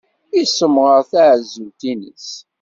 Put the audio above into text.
Yessemɣer taɛezzult-nnes.